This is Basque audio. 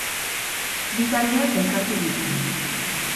Bi taldeak elkartu ditugu.